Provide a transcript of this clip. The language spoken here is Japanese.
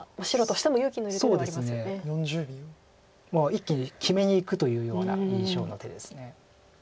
一気に決めにいくというような印象の手です。